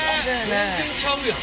全然ちゃうやん。